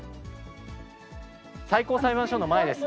最高裁判所の前です。